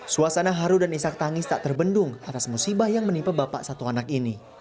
suasana haru dan isak tangis tak terbendung atas musibah yang menimpa bapak satu anak ini